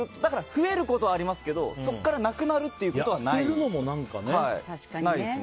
増えることはありますけどそこからなくなることはないです。